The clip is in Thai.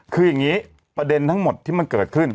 คืออย่างนี้ประเด็นทั้งหมดที่มันเกิดขึ้น